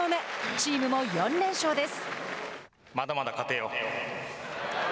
チームも４連勝です。